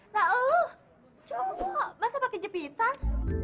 nah lo cowok masa pake cepitan